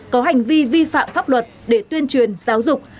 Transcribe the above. có hành vi vi phạm pháp luật để tuyên truyền giáo dục